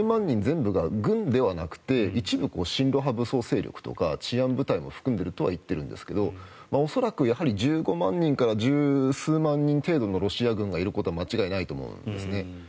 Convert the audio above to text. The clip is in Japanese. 人全部が軍ではなくて一部、親ロ派武装勢力とか治安部隊も含んでるとは言ってるんですけど恐らく、やはり１５万人から１０数万人程度のロシア軍がいることは間違いないと思いますね。